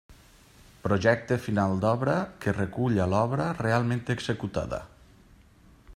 Projecte final d'obra que reculla l'obra realment executada.